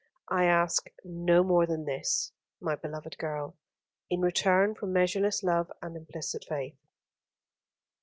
I ask no more than this, my beloved girl, in return for measureless love and implicit faith."